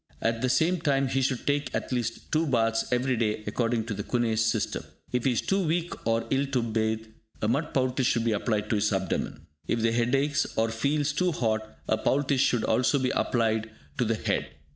At the same time, he should take at least two baths every day according to the Kuhne's system. If he is too weak or ill to bathe, a mud poultice should be applied to his abdomen. If the head aches or feels too hot, a poultice should also be applied to the head.